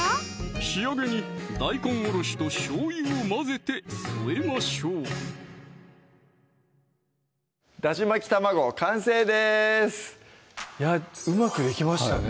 仕上げに大根おろしとしょうゆを混ぜて添えましょう「だし巻き玉子」完成ですいやうまくできましたね